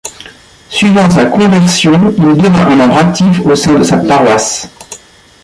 Suivant sa conversion, il devint un membre actif au sein de sa paroisse.